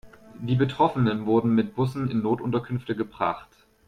Die Betroffenen wurden mit Bussen in Notunterkünfte gebracht.